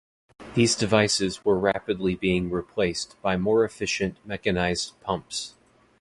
These devices were rapidly being replaced by more efficient mechanized pumps.